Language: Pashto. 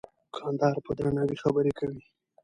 دوکاندار په درناوي خبرې کوي.